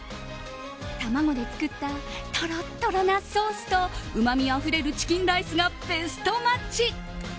卵で作ったトロットロなソースとうまみあふれるチキンライスがベストマッチ！